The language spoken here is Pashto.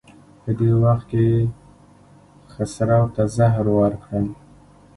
په دې وخت کې یې خسرو ته زهر ورکړل.